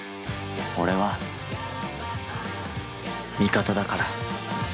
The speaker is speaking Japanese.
◆俺は、味方だから。